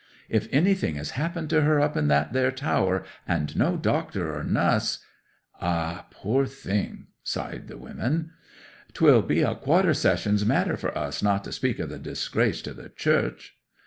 '"If anything has happened to her up in that there tower, and no doctor or nuss—" ('Ah—poor thing!' sighed the women.) '"—'twill be a quarter sessions matter for us, not to speak of the disgrace to the Church!"